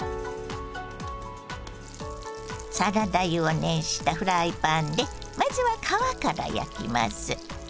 サラダ油を熱したフライパンでまずは皮から焼きます。